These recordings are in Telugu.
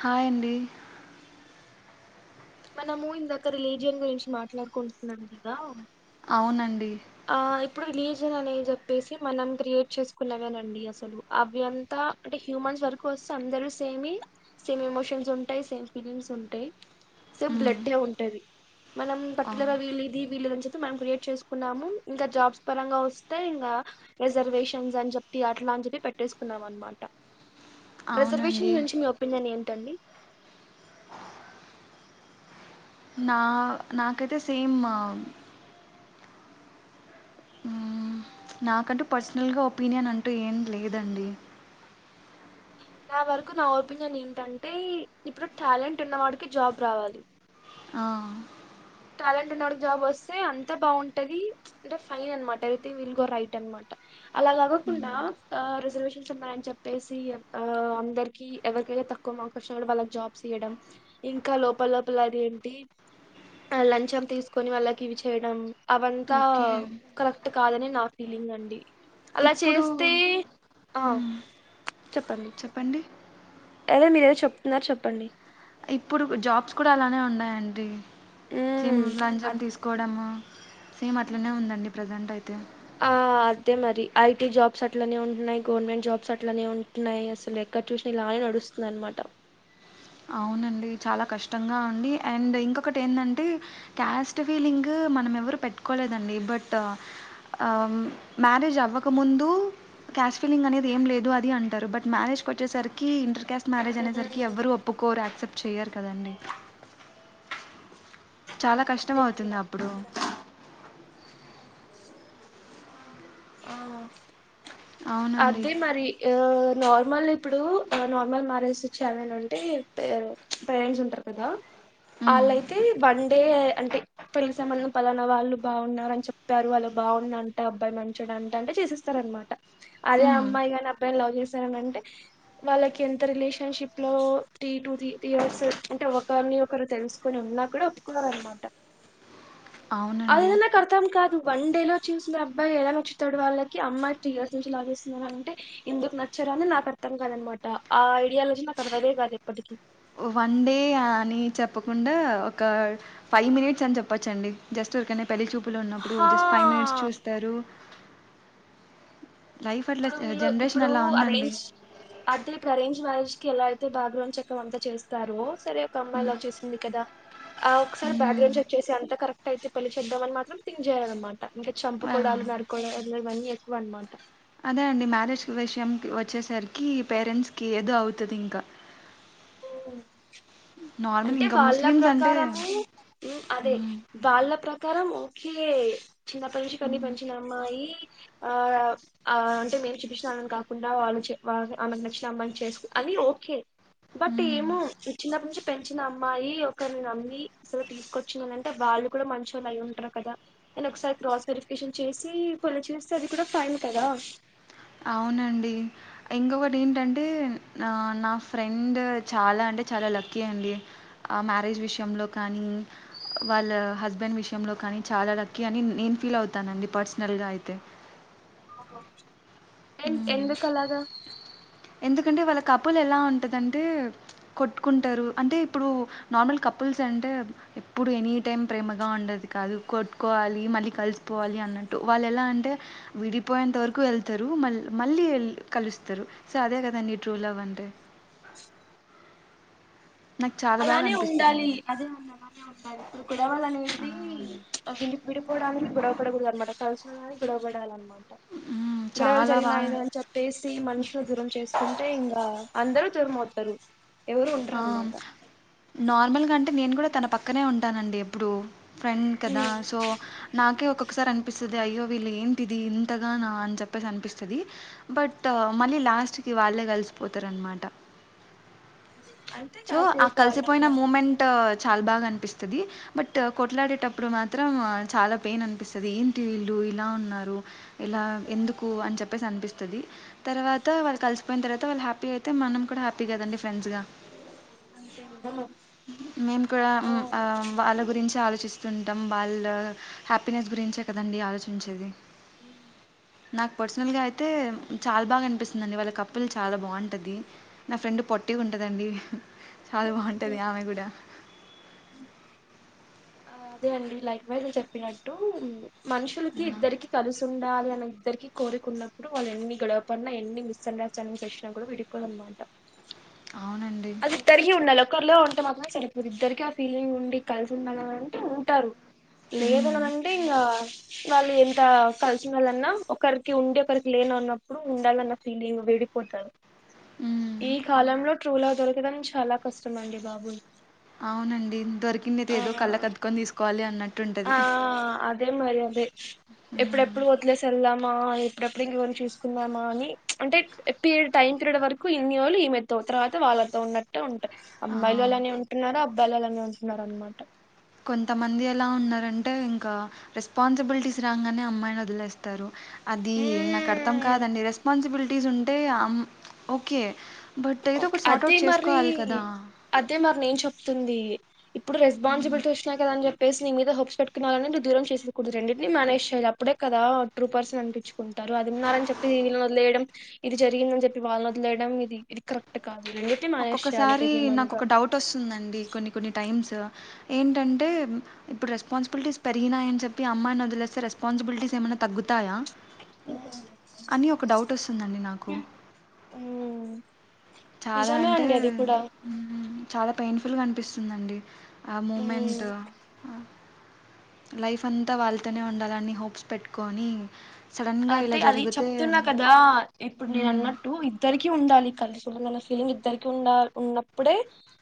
హాయ్ అండి మనము ఇందాక రిలీజియన్ గురించి మాట్లాడుకుంటున్నాం గదా అవునండి ఆ ఇప్పుడు రిలీజియన్ అనేది చెప్పేసి మనం క్రియేట్ చేసుకున్నవేనండి అసలు అవి అంతా ఆణఅంటే హ్యూమన్స్ వర్క్ వస్తే అందరూ సేమి సేమ్ ఎమోషన్స్ ఉంటాయి సేమ్ ఫీలింగ్స్ ఉంటాయి సేమ్ మ్మ్. బ్లడే ఉంటది. మనం ఆ! పర్టికులర్గా వీళ్ళిది, వీళదని చెప్పి మాం క్రియేట్ చేసుకున్నాం. ఇంక జాబ్స్ పరంగా వస్తే ఇంగ, రిజర్వేషన్స్ అని చెప్పి అట్లా అని చెప్పి పెట్టేసుకున్నాం అన్. మాట అవునండి. రిజర్వేషన్ గురించి మీ ఒపీనియన్ ఏంటండి? నా నాకేతే సేమ్ మ్మ్, నాకంటూ పర్సనల్గా ఒపీనియన్ అంటూ ఏం లేదండి. నా వరకు నా ఒపీనియన్ ఏంటంటే, ఇప్పుడు టాలెంట్ ఉన్నవాడికి జాబ్ రావాలి. ఆ! టాలెంట్ ఉన్నడికి జాబ్ వస్తే అంత బాగుంటది. అంటే ఫైన్ అన్మాట ఎవ్రిథింగ్ విల్ గో రైట్ అన్మాట. అలా కాకోకుండ, ఆ రిజర్వేషన్స్ ఉన్నాయని చెప్పేసి ఆ అందరికి ఎవర్కి తక్కువ మార్క్స్ వచ్చిన కూడా వాళ్ళకి జాబ్స్ ఇయ్యడం, ఇంక లోపల లోపల అది ఏంటి ఆ లంచం తీసుకొని వాళ్ళకి ఇవి చేయడం, అవంతా ఓకే. కరెక్ట్ కాదనే నా ఫీలింగ్ అండి. అలా ఇప్పుడు చేస్తే ఆ హ్మ్. చెప్పండి ఏదో మీరేదో చెప్తున్నారు చెప్పండి. ఇప్పుడు జాబ్స్ కూడా అలానే ఉన్నాయండి. సిమ్ మ్మ్ లంచం తీసుకోవడమ సేమ్ అట్లనే అ ఉందండి ప్రజెంట్ అయితే. తే మరి ఐటీ జాబ్స్ అట్లనే ఉంటున్నాయి, గవర్నమెంట్ జాబ్స్ అట్లనే ఉంటున్నాయి, అసలు ఎక్కడ చూసిన ఇలానే నడుస్ స్తుంది అన్మాట. అవునండి చాలా కష్టంగా అండి, అండ్ ఇంకొకటి ఎందంటే క్యాస్ట్ ఫీలింగ్ మనం ఎవ్వరు పెట్టుకోలేదండి, బట్ మ్యారేజ్ అవ్వక ముందు క్యాస్ట్ ఫిలింగ్ అనేది ఏం లేదు అది అంటారు, బట్ మ్యారేజ్కి వచ్చేసరికి ఇంటర్కాస్ మ్యారేజ్ అనేసరికి ఎవ్వరు ఒప్పుకోరు, యాక్సెప్ట్ చేయ్యరు కదండి. చాలా కష్టం అవుతుంది అప్పుడు. ఆ అవునండి. అదే మారి యా నార్మల్ ఇప్పుడు నార్మల్ మ్యారేజెస్ చేయాలనుంటే, పేరు పేరెంట్స్ ఉంటారు కదా హ్మ్. ఆళ్ళయితే వండే, అంటే పెళ్లి సంబంధం పలానా వాళ్ళు బాగున్నారు అని చెప్పారు వాళ్ళ బాగున్నంట, అబ్బాయి మంచోడు అంట, అంటే చేసేస్తార అన్మాట. అదే హ్మ్. అమ్మాయి గాని అబ్బాయిని లవ్ చేశారు అనంటే వాళ్ళకి ఎంత రిలేషన్షిప్ లో, త్రీ టూ తి ఇయర్స్ అంటే ఒకరిని ఒకరు తెలుసుకుొని ఉ ఉన్న కూడా ఒప్పుకునరన్మాట. అవునండి తం కాదు వన్ డే లో చూసిన అబ్బాయి ఎలా నచ్చుతాడు వాళ్ళకి, అమ్మాయి టూ ఇయర్స్ నుంచి లవ్ చేస్ అనంటే ఎందుకు నచ్చరు అని నాకు అర్థం కాదన్మాట, ఆ ఐడియాలజీ నాకు అర్థమే కాదు ఎప్పటికీ. వన్ డే అని చెప్పకుండా, ఒక ఫైవ్ మినిట్స్ అని చెప్పచ్చండి. జస్ట్ ఉర్కనే పెళ్లిచూపులో ఉన్నప్పుడు హా జస్ట్ ఫైవ్ మినిట్స్ చూస్తారు. లైఫ్ అట్లా ఇప్పుడు వీళ్ళు జనరేషన్ ఇప్పుడు అలా ఉందండి అరేంజ్ అదె ఇప్పుడు అరేంజ్ మ్యారేజ్ ఎలా అయితే భాగవం చకం అంతా చేస్తారో సరే ఒక అమ్మాయిలా చూసింది కదా ఆ ఒకసారి బ్యాక్గ్రౌండ్ చెక్ చేసి అంత కరెక్ట్ అయితే పెళ్లి చేద్దామని మాత్రం థింక్ చేయరన్మాట, ఇంక ఆ చంపుకోడాలు నరుకోవడం అన్ ఇవ్వని ఎక్కువ అన్మాట. అదే అండి మ్యారేజ్ విషయం వచ్చేసరికి, పేరెంట్స్కి ఏదో అవుతది ఇంక. ఊ అంటే ఇంకా వాళ్ళ ముస్లిమ్స్ అంటే ప్రకారము ఉ అదే మ్మ్, వాళ్ళ ప్ర కరం ఓకే, చిన్నప్పటి నుంచి కని పెంచిన అమ్మాయి ఆ ఆ అంటే మేం చూపించినొలని కాకుండా, వాళ్ళు చే వాలు ఆమెకు నచ్చిన అమ్మాయిని చేసు అవి ఓకే బట్ మ్మ్, ఏమో చిన్నపటి నుంచి పెంచిన అమ్మాయి, ఒకర్ని నమ్మి అసలు తీసుకొచ్చిందనంటే, వాళ్ళు కూడా మంచొల్లు అయ్యుంటరు కదా, అయిన ఒకసారి క్రాస్ వెరిఫికేషన్ చేసి, పళ్ళ చేస్తే అది కూడా ఫైన్ కదా. అవునండి. ఇంకొకటి ఏంటన్ టే నా నా ఫ్రెండ్ చాలా అంటే చాలా లక్కీ అండి. మ్యారేజ్ విషయంలో కానీ వాళ్ళ హస్బెండ్ విషయంలో కానీ చాలా లక్కీ అని నేను ఫీల్ అవుతానండి పర్సనల్గా అయితే ఎ ఎందు కలాగా ఎందుకంటే వాళ్ళ కప్పులు ఎలా ఉంటదింటే కొట్టుకుంటారు అంటే ఇప్పుడు నార్మల్ కప్పు కపుల్స్ అంటే ఎప్పుడు ఎనీ టైం ప్రేమగా ఉండదు కాదు కొట్టుకోవాలి మళ్లీ కలిసిపోవాలి అన్న అంటూ మళ్లీ ఎలా అంటే విడిపోయేంత వరకు వెళ్తారు మళ్ మళ్లీ కలుస్తారు సో అదేకా తాండీ ట్రూ లవ్ అంటే నాకు చాలా బాగా అలానే ఉండాలి అనిపిస్తదండి. అదే అ అలానే ఉండాలి ఇప్పుడు గొడవలు ఆ! అనేది ఒకంటి పిడిపో డానికి గొవపడకడదు అనమాట కలిసున్నా కానీ గొడవడాల అన్నమాట హ్మ్. గొడవలు చాలా బా జరిగినాయిద అని చెప్పేసి మనుషులు దూరం చేసుకుంటే ఇంకా అందరు దూరము అవుతారు ఎవరు ఉండరు ఆ అన్నమాట నార్మల్గా అంటే నేను కూడా తన పక్కనే ఉంటానండి ఎప్పుడు ఫ్రెండ్ కదా సో నాకే ఒక ఒకసారి అనిపిస్తుంది అయ్యో వీళ్ళ ఏంటిది ఇంతగా అని చెప్పేసి అనిపిస్తుంది బట్ మళ్ళ లాస్ట్ కి వాళ్ళే కలిసిపోతారునమాట అంటే సో ఆ కాసేపు కలిసిపోయిన అలాగా మూమెంట్ చాలా బాగా అనిపిస్తుంది బట్ కొట్లాడేటప్పుడు మాత్రం చాలా పెయిన్ అనిపిస్తుంది ఏంటి వీళ్లు ఇలా ఉన్నారు ఇలా ఎందుకు అని చెప్పేసి అనిపిస్తుంది తర్వాత వాళ్లు కలిసిపోయిన తర్వాత ళ్ళ హ్యాపీ అయితే మనం కూడా హ్యాపీ కదా ఫ్రెండ్స్ గా అంతే కదా మేము కూడా ఆ వాళ్ళ గురించి ఆలోచ చిస్తుంటాం వాళ్లు హ్యాపీనెస్ గురించే కదండి ఆలోచించేది ఉ నాకు పర్సనల్గా అయితే చాలా బాగా అనిపిస్తుందిండి వాళ్ళ కప్పులు చాలా బాగుంటుంది నా ఫ్రెండ్ పొట్ట పట్టి ఉంటదండి చాలా బాగుంటది ఆమె కూడా [unintelligible] ఆ అదే అండి లైక్ వైజ్ చెప్పినట్టు మనుషులకి ఆ, ఇద్దరికి కలుసు ఉం ఉండాలి అని ఇద్దరికి కోరికున్నప్పుడు వాళ్ళు ఎన్ని గొడవపడిన ఎన్ని మిస్ అండర్ స్టాండ్స్ వచ్చినా కూడా విడిపోరన్నమాట [inaudible] అవునండి అది ఇద్దరికి ఉండాలి ఒక్కర్లో ఉంటే మాత్రం సరిపోదు ఇద్దరికి ఆ ఫీలింగ్ ఉండి కలిసి ఉండాల అంటే ఉంటారు మ్మ్. లేదననంటే ఇంగా వాళ్లు ఎంత కలిసి ఉండాలన్నా ఒకరికి ఉండి ఒకరికి లేన అన్నప్పుడు ఉండాలన్న ఫీలింగ్ విడి పోతారు మ్మ్. ఈ కాలంలో ట్రులవ్ దొరకడం చాలా కష్టమండి బాబు అవునండి దొరికిందైతే ఏదో కళ్ళ కద్దుకొని తీసుకోవాలి అన్నట్టుంటది ఆ అదే మరి అదే ఎప్పుడెప్పుడు పో వదిలేసి వెళ్దామా ఎప్పుడెప్పుడు ఇంకోన్ని చూసుకుందామా అని అంటే పీ టైమ్ పీరియడ్ వరకు ఇ వాళ్ళు ఈమెతో తర్వాత వాళ్ళ తో ఉన్నట్టు ఉంటాయి అమ్మాయిలు ఆ. అలానే ఉంటున్నారు అబ్బాయిలు అలానే ఉంటున్నారు అన్నమాట కొంతమంది ఎలా ఉన్నారంటే ఇంకా రెస్పాన్సిబిలిటీస్ రాగానే అమ్మాయిని వదిలేస్తరు అది నాకు అర్థం హ్మ్ కాదండి రెస్పాన్సిబిలిటీస్ ఉంటే అం ఓకే బట్ ఏదో ఒకటి సాట్ అదే అవుట్ మరి చేసుకోవాలి కదా అదే మరి నేను చెప్తుంది ఇప్పుడు రెస్పాన్సిబిలిటీస్ వచ్చినయి కదా అని చెప్పి ప్లేస్ నీమీద హోప్స్ పెట్టుకున్నవాలని దూరం చేసుకోకూడదు రెండింటినీ మ్యానేజ్ చేయాలి అప్పుడే కదా ట్రూ పర్సన్ అనిపించుకుంటవ్ వారు అది ఉన్నారు అని చెప్పి వీళ్ళ ను వదిలేయడం ఇది జరిగిందని చెప్పి వాళ్లని వదిలేయడం ఇది కరెక్ట్ కాదు [unintelligible] చేయాలి ఒక ఒక్కొక్కసారి హ్యూమన్ నాకు గా ఒక డౌట్ వస్తుందండి కొన్ని కొన్ని టైమ్స్ ఏంటంటే ఇప్పుడు రెస్పాన్సిబిలిటీస్ పెరిగినాయి అని చెప్పి అమ్మాయిని వదిలేస్తే రెస్పా రెస్పాన్సిబిలిటీస్ ఏమైనా తగ్గుతాయా అని ఒక డౌట్ వస్తుందండి నాకు మ్మ్. చాలా నిజమే అంటే అండి అది కూడా చాలా పెయిన్ ఫుల్ గా అనిపిస్తుందండి ఆ హ్మ్ మూమెంట్ లైఫ్ అంతా వాళ్ళతోనే ఉండాలని హోప్స్ పెట్టుకొని సడన్గా ఇలా అదే అది జరిగితే చెప్తున్నా కదా ఇప్పుడు నేను మ్మ్, అనటు ఎదరికి ఉండాలి కలిసి ఫీలింగ్ ఇద్దరికి ఉండాల ఉన్నప్పుడే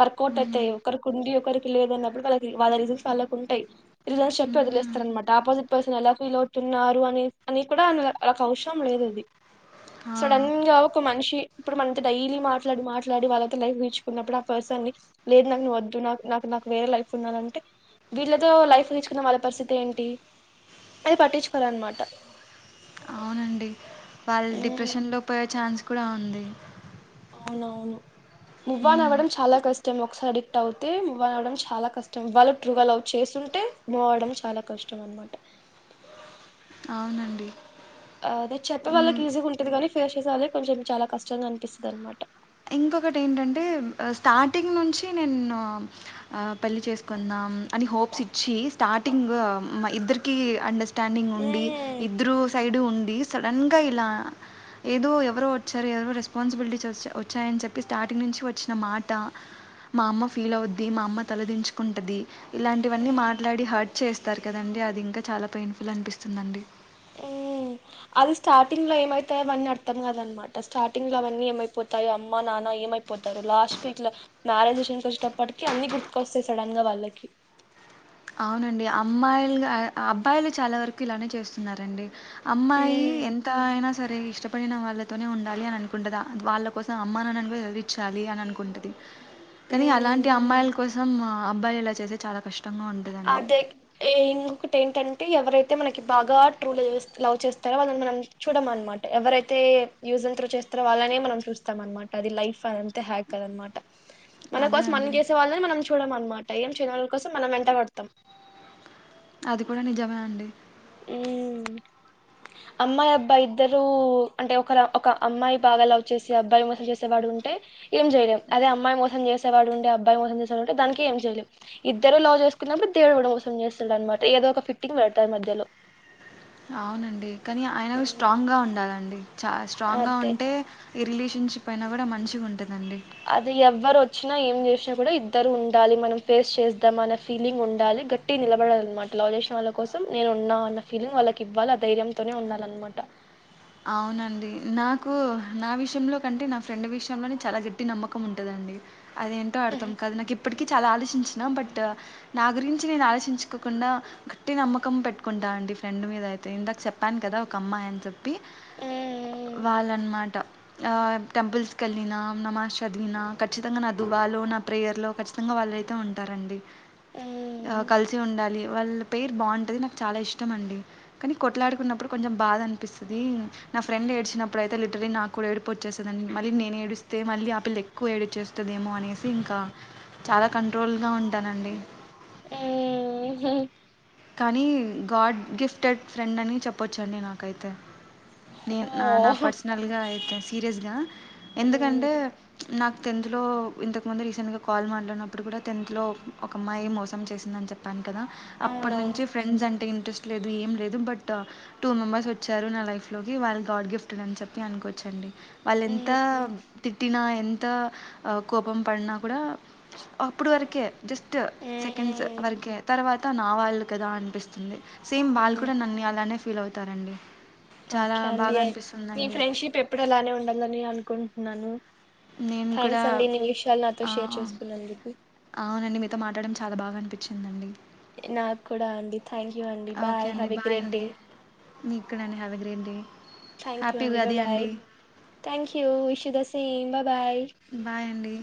వర్కౌట్ మ్మ్, అయితాయి ఒకరికి ఉండి ఒకరికి లేదన్నపు ఇప్పుడు వాళ్ళ వాళ్ళ రీజన్స్ వాళ్ళ కుంటాయి రీజన్స్ చెప్పి మ్మ్. వదిలేస్తారన్నమాట ఆపోజిట్ పర్సన్ ఎలా ఫీలవుతున్నారు అని అని కూడా ఆళ్ళకు అవసరం లేదు అది ఆ, సడన్ గా ఒక మనిషి ఇప్పుడు మన డైలీ మాట్లాడి మాట్లాడి వాళ్ళతో లైఫ్ ఊహించుకున్నప్పుడు ఆ పర్సన్ ని లేదు నాకు నువ్వు వద్దు నాకు నాకు నాకు వేరే లైఫ్ ఉండాలంటే వీళ్లతో లైఫ్ ఊహించుకున్న వాళ్ళ పరిస్థితి ఏంటి అది పట్టించుకోరు అన్నమాట అవునండి వాళ్ళు ఉమ్, డిప్రెషన్ లో పోయే ఛాన్స్ కూడా ఉంది అవునవును మూ ఆన్ మ్మ్, అవ్వడం చాలా కష్టం ష్టం ఒకసారి అడిక్ట్ అవుతే మూ అవ్వడం చాలా కష్టం వాళ్ళు ట్రూలవ్ చేస్తుంటే మూ అవ్వడం చాలా కష్టం కష్టం అన్నమాట [inaudible] ఆ ఆ అది చెప్పే వాళ్ళకి మ్మ్, ఈజీ ఉంటది గానీ ఫేస్ చేసే వాళ్ళ కొంచెం చాలా కష్టంగా అనిపిస్తది దన్నమాట ఇంకొకటి ఏంటంటే స్టార్టింగ్ నుంచి నేను పెళ్ళి చేసుకుందాం అని హోప్స్ ఇచ్చి స్టార్టింగ్ ఇద్దరికి అండర్ స్టాండింగ్ ఉండి ఇద్దరు సైడ్ ఉండి సడన్ గా ఇలా ఏదో ఎవరో వచ్చారు ఎవేవో రెస్పాన్సిబిలిటీ వ చ్చాయని చెప్పి స్టార్టింగ్ నుంచి వచ్చిన మాట మా అమ్మ ఫీల్ అవుద్ది మా అమ్మ తలదించుకుంటది ఇలాంటివన్నీ మాట్లాడి హర్ట్ చేస్తారు కదండి అది ఇంకా చాలా పెయిన్ ఫుల్ అనిపిస్తుందండి మ్ అది స్టార్టింగ్ లో ఏమైతాో అవన్నీ అర్థం కాద అనమాట స్టార్టింగ్ లో అవన్నీ ఏమైపోతాయి అమ్మ నాన్న ఏమైపోతారు లాస్ట్ వీక్ లో మ్యారేజ్షన్స్ వచ్చేటప్పటికకి అన్ని గుర్తుకొస్తాయి సడన్ గా వాళ్ళకి అవునండి అమ్మాయిలుగా అబ్బాయిలు చాలా వరకు ఇలానే చేస్తున్నారండి అమ్మాయి మ్మ్ ఎంత అయినా సరే ఇష్టపడిన వాళ్ళతోనే ఉండాలి అని అనుకుంటుందిా వాళ్ళ కోసం అమ్మనుని అనుదిరిచ్చాలి అని అనుకుంటుంది కానీ మ్మ్ అలాంటి అమ్మాయిల కోసం అబ్బాయిలు ఇలా చేస్తే చాలా కష్టంగా ఉంటంది అదే ఇంకొకటి ఏంటంటే ఎవరై అతే మనకి బాగా ట్రోల్ లవ్ చేస్తారో వాని మనం చూడ అనమాట ఎవరైతే యూజస్త చిత్ర వాళ్నే మనం చూస్తాం అనమాట అది లైఫ్ అంతే హ్యాక్ కదనమాట మన అదే కోసం మనం అండి. చేసే వాళ్ళని మనం చూడడం అమాట ఏం చేయిన వాళ్ళ కోసం మనం వెంట పడుతుంది మొత్తం అది కూడా నిజమే అండి అమ్మాయి అబ్బాయి ఇద్దరు అంటే ఒక ఒక అమ్మాయి బాగా వ్ చేసి అబ్బాయి మసం చేసేవాడు ఉంటే ఏం చేయలేదు అదే అమ్మాయి మోసం చేసేవాడు ఉంటే అబ్బాయి మోసం చేసేవాడు ఉంటే దానికి ఏంయలే ఇద్దరు లో చేసుకున్న కా దేడు కూడాడం కోసం చేస్తుండ అమాట ఏదో ఒక ఫిట్టింగ్ పెడతారు మధ్యలో అవునండి కానీ ఆయనకు మధ్యలో స్ట్రాంగ్ గా ఉండాలండి చ స్ట్రాంగ్ గా అదే ఉంటే ఈ రిలేషన్షిప్ అయినా కూడా మంచిగా ఉంటుది అది ఎవ్వరు వచ్చ వచ్చినా ఏం చేసినా కూడా ఇద్దరు ఉండాలి మనం ఫేస్ చేస్తద్దాం అన ఫీలింగ్ ఉండాలి గట్టి నిలబడాలన్నమాట లావ్ చేసిన వాళ్ళ కోసం నేను ఉన్నా అన్న ఫీలింగ్ వాళ్ళకి ఇవ్వాలి ఆ ధైర్యంతోనే ఉండాలన్నమాట అవునండి నాకు నా విషయంలో కంటే నా ఫ్రెండ్ విషయంలోనే చాలా గట్టి నమ్మకం ఉంటుందండి అదేంటో అర్థాం కదు నాకు ఇప్పటికీ చాలా ఆలోచించిన బట్ నా గురించి నేను ఆలోచించుకోకుండా గట్టి నమ్మకం పెట్టుకుంటా అంటి ఫ్రెండ్ మీద అయితే ఇందక చెప్పాను కదా ఒక అమ్మాయియని చెప్ప చెప్పి వాళ్ళన్నమాట ఆ టెంపుల్స్కి వెళ్ళిన నమాజ్ చదివినా ఖచ్చితంగా నా దుబాలో నా ప్రేయర్లో ఖచ్చితంగా వాళ్ళు అయితే ఉంటారండి కలిసి ఉండాలి వాళ్ళ పేర్ బాగుంటుంది నాకు చాలా ఇష్టం అండి కానీ కొట్లాడుకున్నప్పుడు కొంచెం బాధ అన్ స్టది నా ఫ్రెండ్ ఏడ్చినప్పుడైతే లిటరలీ నాకు కూడా ఏడిపో వచ్చేస్తుందిండి మళ్లీ నే ఏేడిస్తే మల్లి ఆ పల్లి ఎక్కువ ఏడి చేస్తుందేమో అనేసి ఇంకా చాలా కంట్రోల్గా ఉంటానండి హ్మ్ కానీ గాడ్ గిఫ్టెడ్ ఫ్రెండ్ అని చెప్పొచ్చండి నాకైతే నేను నా నా ఓహ్ పర్సనల్ గా అయితే సీరియస్ గా ఎందుకంటే నాకు టెన్త్ లో ఇంతకు మంది రీసెంట్ గా కాల్ మాట్లాడినప్పుడు కూడా టెన్త్ లో ఒకమ్మాయి మోసం చేసిందని చెప్పాను కదా అప్పటి అవునవును నుంచి ఫ్రెండ్స్ అంటే ఇ ట్రెస్ట్ లేదు ఏం లేదు బట్ టూ మెంబర్స్ వచ్చారు నా లైఫ్ లోకి వాళ్ళు గాడ్ గిఫ్ట్డ్ అని చెప్పి అనుకోవచ్చు అండి వాళ్ళ ఎంత తిట్టినా ఎంత కోపం పడినా కూడా అప్పుడు వరకే జస్ట్ సెకండ్స్ వరకే తర్వాత నా వ లు కదా అనిపిస్తుంది సేమ్ వాల్ కూడా నన్ని అలానే ఫీల్ అవుతారండి చాలా ఓకే అండి బాగా మీ అనిపిస్తుందండి ఫ్రెండ్షిప్ ఎప్పుడు అలానే ఉండాలని అనుకుంటున్నాను నేను కూడా థ్యాంక్స్ అండి నీ విషయాలు నాతో ఆ! షేర్ చేసుకున్నాదుకు అవునండి మీతో మాట్లాడం చాలా బాగా అనిపించిందండి నాకు కూడా అండి థ్యాంక్ యూ అండి ఓకే బాయ్ అండి హ్యావ్ ఎ గ్రేట్ అండి డే మీకు కూడా అండి have a great day thank you happy bye Ugadi bye అండి thank you విశుధ same bye-bye bye అండి